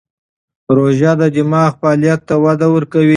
روژه د دماغ فعالیت ته وده ورکوي.